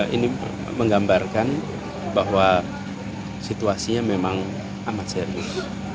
ini menggambarkan bahwa situasinya memang amat serius